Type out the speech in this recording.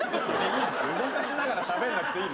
動かしながらしゃべんなくていい。